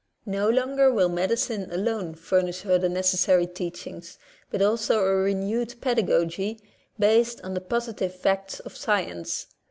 No longer will medicine alone furnish her the necessary teachings, but also a renewed pedagogy based on the positive facts of science.